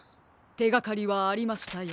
てがかりはありましたよ。